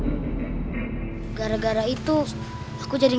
jangan jangan gara gara itu ya vilanya mau tidur di mes